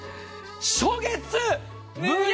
初月無料。